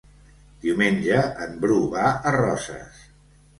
Diumenge en Bru va a Roses.